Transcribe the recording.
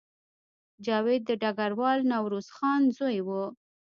جاوید د ډګروال نوروز خان زوی و